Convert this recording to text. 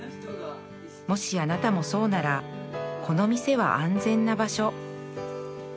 「もしあなたもそうならこの店は安全な場所」